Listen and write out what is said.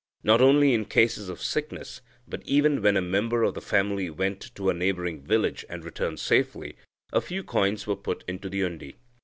Not only in cases of sickness, but even when a member of the family went to a neighbouring village, and returned safely, a few coins were put into the undi.